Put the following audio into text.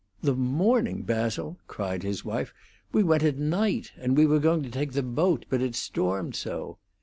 "The morning, Basil!" cried his wife. "We went at night; and we were going to take the boat, but it stormed so!"